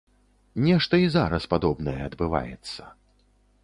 Нешта і зараз падобнае адбываецца.